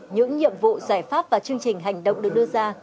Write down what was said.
những nhiệm vụ giải pháp và chương trình hành động được đưa ra